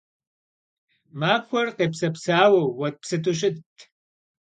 Махуэр къепсэпсауэу уэтӀпсытӀу щытт.